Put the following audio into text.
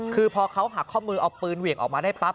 คือพอเขาหักข้อมือเอาปืนเหวี่ยงออกมาได้ปั๊